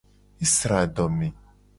Esra adome.